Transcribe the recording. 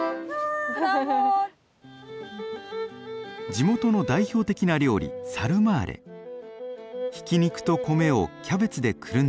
地元の代表的な料理ひき肉と米をキャベツでくるんでいます。